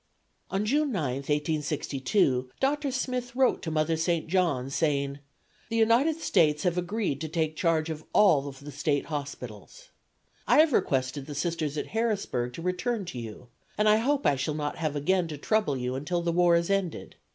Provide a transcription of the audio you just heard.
On June 9, 1862, Dr. Smith wrote to Mother St. John, saying: "The United States have agreed to take charge of all the State hospitals. I have requested the Sisters at Harrisburg to return to you and hope I shall not have again to trouble you until the war is ended.